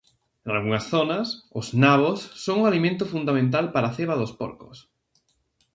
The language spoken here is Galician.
Nalgunhas zonas, os nabos son o alimento fundamental para a ceba dos porcos.